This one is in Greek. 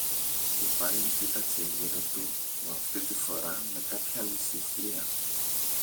Και πάλι κοίταξε γύρω του, μα αυτή τη φορά με κάποια ανησυχία.